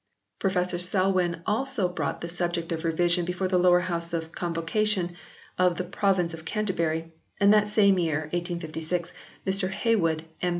Professor Selwyn also brought the subject of revision before the Lower House of Con vocation of the Province of Canterbury; and that same year, 1856, Mr Hey wood, M.